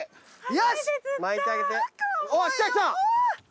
よし！